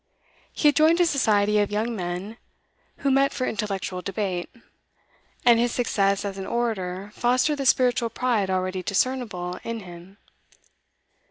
He had joined a society of young men who met for intellectual debate, and his success as an orator fostered the spiritual pride already discernible in him.